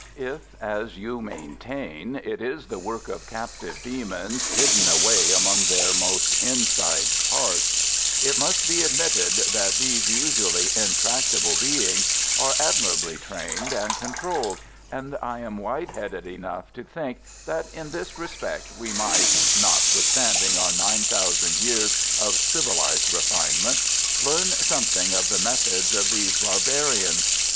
If, as you maintain, it is the work of captive demons hidden away among their most inside parts, it must be admitted that these usually intractable beings are admirably trained and controlled, and I am wide headed enough to think that in this respect we might not withstanding our nine thousand years of civilised refinement learn something of the methods of these barbarians.